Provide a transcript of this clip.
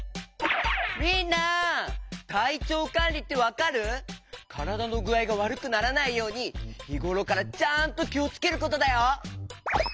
みんなたいちょうかんりってわかる？からだのぐあいがわるくならないようにひごろからちゃんときをつけることだよ。